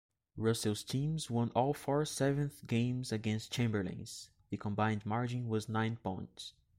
Russell's teams won all four seventh games against Chamberlain's-the combined margin was nine points.